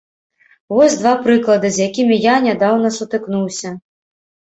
Вось два прыклады, з якімі я нядаўна сутыкнуўся.